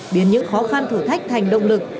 biến những khó khăn thử thách thành động lực